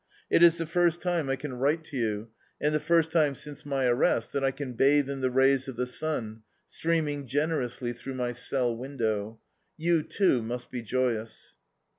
It is the first time I can write to you, and the first time since my arrest that I can bathe in the rays of the sun, streaming generously through my cell window. You, too, must be joyous."